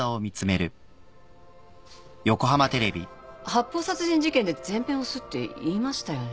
発砲殺人事件で全編押すって言いましたよね？